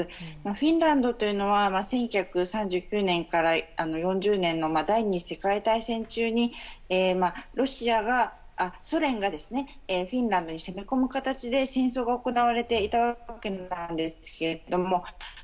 フィンランドというのは１９３９年から４０年の第２次世界大戦中にソ連がフィンランドに攻め込む形で戦争が行われていたわけなんですけれども。